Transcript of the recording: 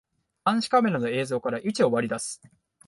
監視カメラの映像から位置を割り出す